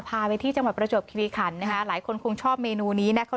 พาไปที่จังหวัดประจวบคิริขันนะคะหลายคนคงชอบเมนูนี้นะคะ